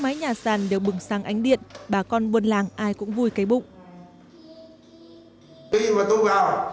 đoàn đèn đều bừng sang ánh điện bà con buôn làng ai cũng vui cay bụng